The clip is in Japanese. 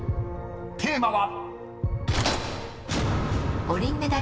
［テーマは］